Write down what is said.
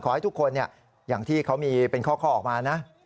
ขอให้ทุกคนอย่างที่เขามีเป็นข้อออกมานะ